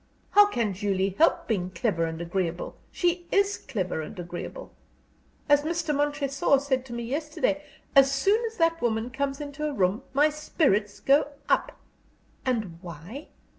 How can Julie help being clever and agreeable she is clever and agreeable! As Mr. Montresor said to me yesterday, 'As soon as that woman comes into a room, my spirits go up!' And why?